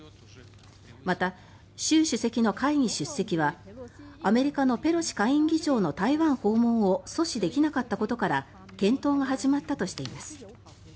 また、習主席の会議出席はアメリカのペロシ下院議長の台湾訪問を阻止できなかったことから検討が始まったとしています。